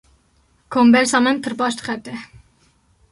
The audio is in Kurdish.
Kombersa min pir baş dixebite.